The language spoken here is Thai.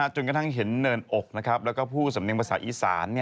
จนกระทั่งเห็นเนินอกแล้วก็ผู้สำเนียงภาษาอีสาน